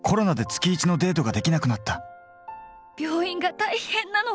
病院が大変なの！